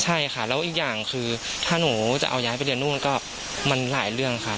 ใช่ค่ะแล้วอีกอย่างคือถ้าหนูจะเอาย้ายไปเรียนนู่นก็มันหลายเรื่องค่ะ